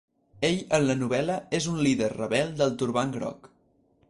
Ell en la novel·la és un líder rebel del Turbant Groc.